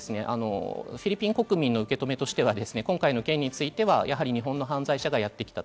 国民の受け止めとしては今回の件については日本の犯罪者がやってきたと。